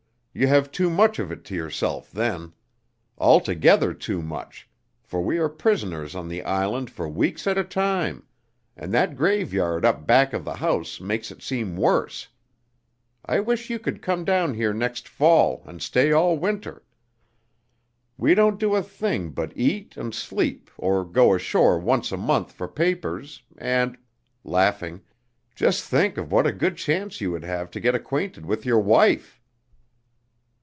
You have too much of it to yourself then. Altogether too much, for we are prisoners on the island for weeks at a time, and that graveyard up back of the house makes it seem worse. I wish you could come down here next fall and stay all winter. We don't do a thing but eat and sleep or go ashore once a month for papers, and" laughing "just think of what a good chance you would have to get acquainted with your wife!"